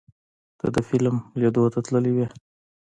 ته د فلم لیدو ته تللی وې؟